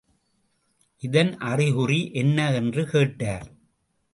இதன் அறிகுறி என்ன என்று கேட்டார்.